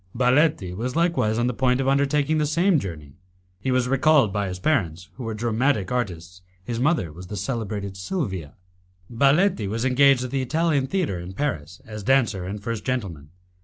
Baletti was likewise on the point of undertaking the same journey. He was recalled by his parents, who were dramatic artists: his mother was the celebrated Silvia. Baletti was engaged at the Italian Theatre in Paris as dancer and first gentleman.